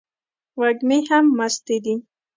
وږمې هم مستې دي